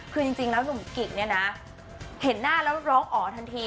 คือจริงแล้วหนุ่มกิกเนี่ยนะเห็นหน้าแล้วร้องอ๋อทันที